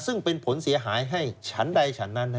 ซึ่งเป็นผลเสียหายให้ฉันใดฉันนั้น